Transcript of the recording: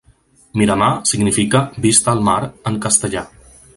"Miramar" significa "vista al mar" en castellà.